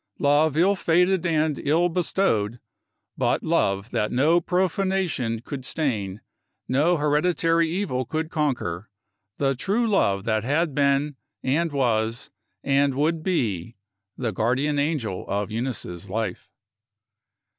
Love ill fated and ill bestowed but love that no profanation could stain, that no hereditary evil could conquer the True Love that had been, and was, and would be, the guardian angel of Eunice's life.